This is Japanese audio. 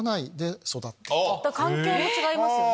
環境も違いますよね。